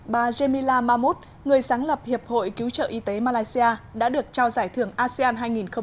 bà jemila mahmud người sáng lập hiệp hội cứu trợ y tế malaysia đã được trao giải thưởng asean hai nghìn một mươi chín